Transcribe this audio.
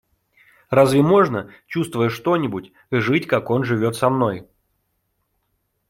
Разве можно, чувствуя что-нибудь, жить, как он живет со мной?